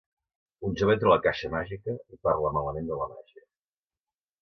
Un jove entre a la Caixa Màgica i parla malament de la màgia.